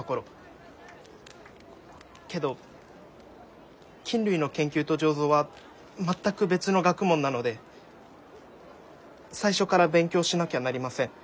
けど菌類の研究と醸造は全く別の学問なので最初から勉強しなきゃなりません。